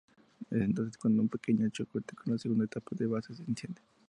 Es entonces cuando un pequeño cohete, con la segunda etapa de base, se enciende.